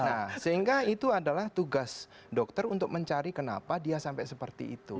nah sehingga itu adalah tugas dokter untuk mencari kenapa dia sampai seperti itu